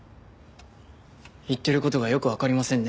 言ってる事がよくわかりませんね。